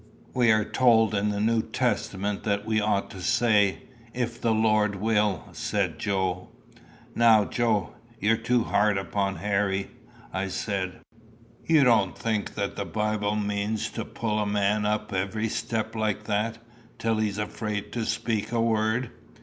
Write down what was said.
We are told in the New Testament that we ought to say If the Lord will," said Joe. "Now, Joe, you're too hard upon Harry," I said. "You don't think that the Bible means to pull a man up every step like that, till he's afraid to speak a word.